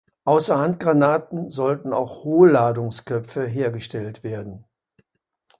Außer Handgranaten sollten auch Hohlladungsköpfe hergestellt werden.